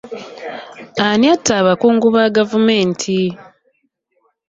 Ani atta abakungu ba gavumenti?